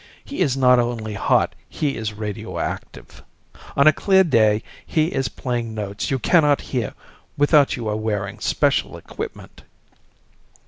He is not only hot, he is radioactive. On a clear day he is playing notes you cannot hear without you are wearing special equipment.